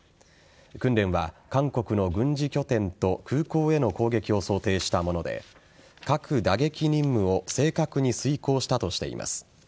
訓練は韓国の軍事拠点と空港への攻撃を想定したもので核打撃任務を正確に遂行したとしています。